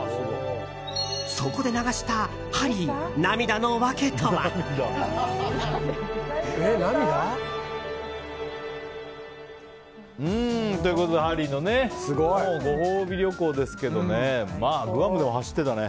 そこで流したハリー、涙の訳とは？ということでハリーのねご褒美旅行ですけどまあグアムでも走ってたね。